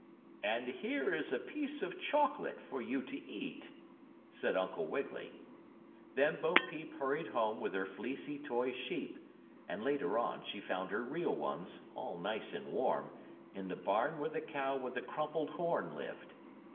"And here is a piece of chocolate for you to eat," said Uncle Wiggily. Then Bo Peep hurried home with her fleecy toy sheep, and, later on, she found her real ones, all nice and warm, in the barn where the Cow with the Crumpled Horn lived.